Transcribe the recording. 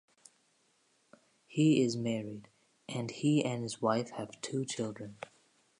He is married and he and his wife have two children.